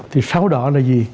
thì sau đó là gì